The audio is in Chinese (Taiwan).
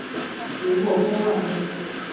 如果播完了